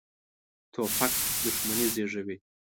توپک دښمني زېږوي.